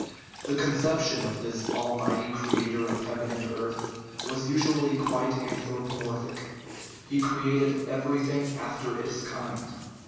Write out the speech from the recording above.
The conception of this "almighty creator of heaven and earth" was usually quite anthropomor phic ; he created " everything after its kind."